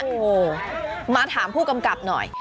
โอ้โหมาถามผู้กำกับหน่อย